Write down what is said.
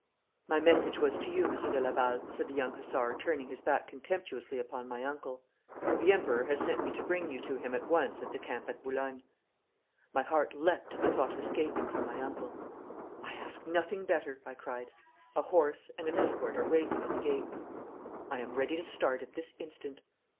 'My message was to you, Monsieur de Laval,' said the young hussar, turning his back contemptuously upon my uncle. 'The Emperor has sent me to bring you to him at once at the camp at Boulogne.' My heart leapt at the thought of escaping from my uncle. 'I ask nothing better,' I cried. 'A horse and an escort are waiting at the gates.' 'I am ready to start at this instant.'